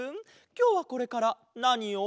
きょうはこれからなにを？